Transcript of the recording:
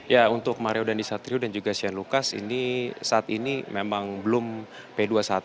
ya untuk mario dandisatrio dan juga shane lucas ini saat ini memang belum p dua puluh satu